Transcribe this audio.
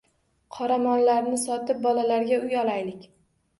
Qoramollarni sotib, bolalarga uy olaylik